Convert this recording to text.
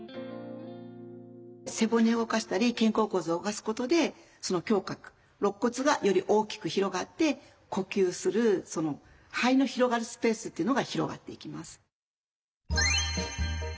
背骨を動かしたり肩甲骨を動かすことで胸郭肋骨がより大きく広がって呼吸する肺の広がるスペースというのが広がっていきます。